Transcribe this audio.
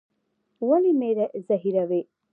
ولي مي زهيروې؟